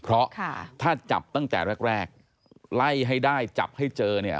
เพราะถ้าจับตั้งแต่แรกไล่ให้ได้จับให้เจอ